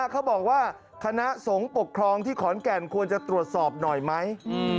เขาบอกว่าคณะสงฆ์ปกครองที่ขอนแก่นควรจะตรวจสอบหน่อยไหม